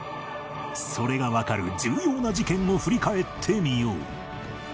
それがわかる重要な事件を振り返ってみよう